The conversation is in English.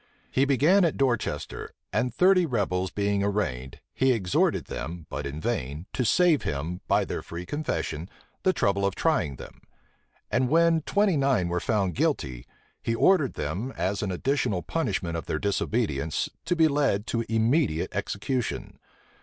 He began at Dorchester; and thirty rebels being arraigned, he exhorted them, but in vain, to save him, by their free confession, the trouble of trying them: and when twenty nine were found guilty, he ordered them, as an additional punishment of their disobedience, to be led to immediate execution.